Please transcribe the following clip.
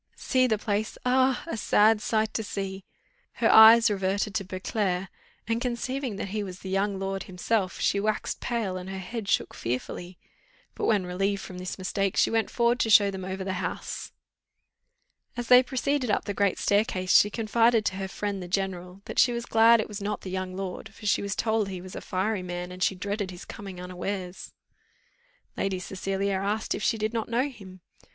"See the place! ah! a sad sight to see." Her eyes reverted to Beauclerc, and, conceiving that he was the young lord himself, she waxed pale, and her head shook fearfully; but, when relieved from this mistake, she went forward to show them over the house. As they proceeded up the great staircase, she confided to her friend, the general, that she was glad it was not the young lord, for she was told he was a fiery man, and she dreaded his coming unawares. Lady Cecilia asked if she did not know him?